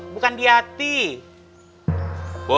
bukan di hati pul